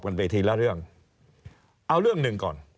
เมื่อกี้ก่อนที่จะมารายการเราเนี่ย